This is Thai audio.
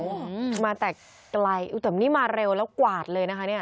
โอ้โหมาแต่ไกลแต่นี่มาเร็วแล้วกวาดเลยนะคะเนี่ย